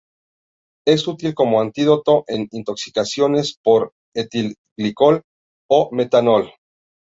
Es útil como antídoto en intoxicaciones por etilenglicol o metanol.